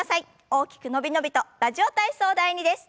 大きく伸び伸びと「ラジオ体操第２」です。